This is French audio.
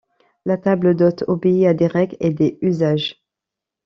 La table d'hôtes obéit à des règles et des usages.